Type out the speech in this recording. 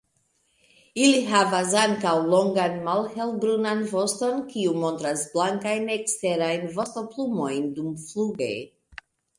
Ili havas ankaŭ longan malhelbrunan voston kiu montras blankajn eksterajn vostoplumojn dumfluge.